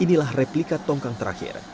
inilah replika tongkang terakhir